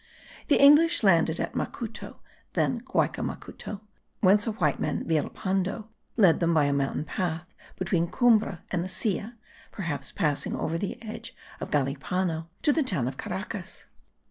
The English landed at Macuto (then Guayca Macuto), whence a white man, Villalpando, led them by a mountain path between Cumbre and the Silla (perhaps passing over the ridge of Galipano) to the town of Caracas.